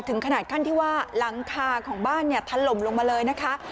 ถึงขนาดขั้นที่ว่าหลังคาของบ้านเนี่ยถล่มลงมาเลยนะคะ